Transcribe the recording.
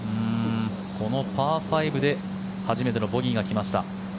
このパー５で初めてのボギーが来ました。